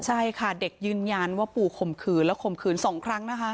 ใช่ค่ะเด็กยืนยันว่าปู่ข่มขืนแล้วข่มขืน๒ครั้งนะคะ